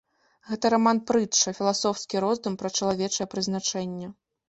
Гэта раман-прытча, філасофскі роздум пра чалавечае прызначэнне.